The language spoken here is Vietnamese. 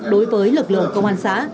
đối với lực lượng công an xã